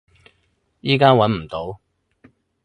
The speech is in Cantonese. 依家揾唔到